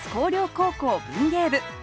高校文芸部。